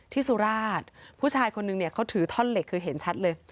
สุราชผู้ชายคนนึงเนี่ยเขาถือท่อนเหล็กคือเห็นชัดเลย